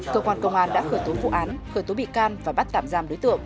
cơ quan công an đã khởi tố vụ án khởi tố bị can và bắt tạm giam đối tượng